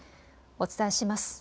お伝えします。